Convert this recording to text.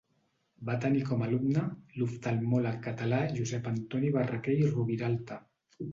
Va tenir com a alumne l'oftalmòleg català Josep Antoni Barraquer i Roviralta.